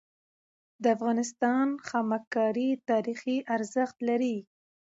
د افغانستان خامک کاری تاریخي ارزښت لري.